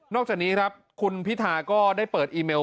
นอกจากนี้คุณพิธาก็ได้เปิดอีเมล